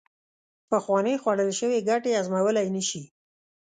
پخوانې خوړل شوې ګټې هضمولې نشي